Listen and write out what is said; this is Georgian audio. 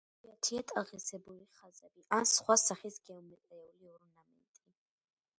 იშვიათია ტალღისებური ხაზები ან სხვა სახის გეომეტრიული ორნამენტი.